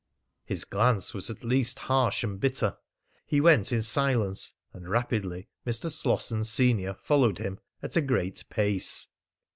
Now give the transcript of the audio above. His glance was at least harsh and bitter. He went in silence, and rapidly. Mr. Slosson, senior, followed him at a great pace.